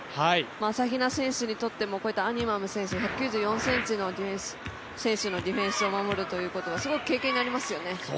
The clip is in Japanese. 朝比奈選手にとってもアニマム選手、１９４ｃｍの選手をディフェンスをするということはすごく経験になりますよね。